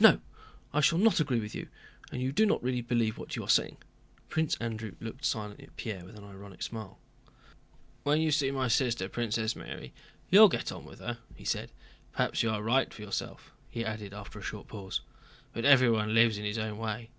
No, I shall not agree with you, and you do not really believe what you are saying." Prince Andrew looked silently at Pierre with an ironic smile. "When you see my sister, Princess Mary, you'll get on with her," he said. "Perhaps you are right for yourself," he added after a short pause, "but everyone lives in his own way.